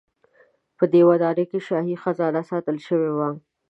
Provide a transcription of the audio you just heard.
په دې ودانۍ کې شاهي خزانه ساتل شوې وه.